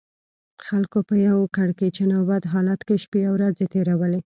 خلکو په یو کړکېچن او بد حالت کې شپې او ورځې تېرولې.